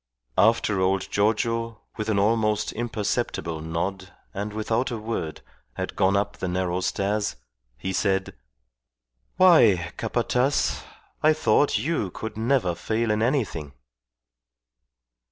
After old Giorgio, with an almost imperceptible nod and without a word, had gone up the narrow stairs, he said "Why, Capataz! I thought you could never fail in anything."